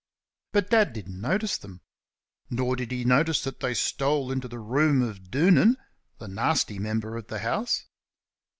But Dad didn't notice them. Nor did he notice that they stole into the room of Doonan (the nasty member of the house).